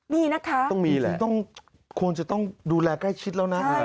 มีนะคะต้องมีแหละต้องควรจะต้องดูแลใกล้ชิดแล้วนะ